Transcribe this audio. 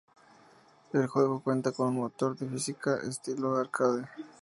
El juego cuenta con un motor de física estilo arcade.